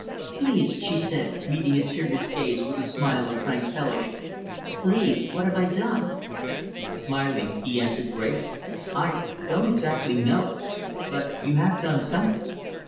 "Please" she said, meeting his serious gaze with a smile of frank fellowship "please, what have I done?" Smiling, he answered gravely, "I don't exactly know but you have done something."